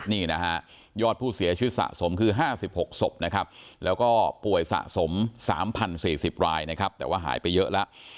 นี่นะฮะยอดผู้เสียชีวิตสะสมคือห้าสิบหกศพนะครับแล้วก็ป่วยสะสมสามพันสี่สิบรายนะครับแต่ว่าหายไปเยอะละ